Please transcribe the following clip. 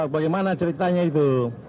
bagaimana ceritanya itu